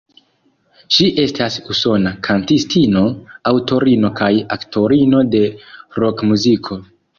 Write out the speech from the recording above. Ŝi estas usona kantistino, aŭtorino kaj aktorino de rokmuziko.